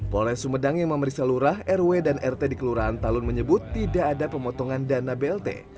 polres sumedang yang memeriksa lurah rw dan rt di kelurahan talun menyebut tidak ada pemotongan dana blt